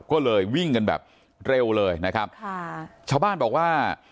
ก็เลยวิ่งกันแบบเร็วเลยนะครับค่ะชาวบ้านบอกว่า